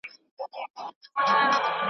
د غزلونو قصیدو ښکلي ښاغلي عطر `